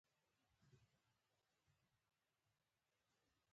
هغه به خپله لار لري او زه به خپله لاره